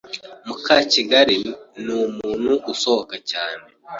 Mukakigali numuntu usohoka cyane.